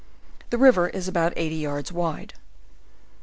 The river is about 80 yards wide.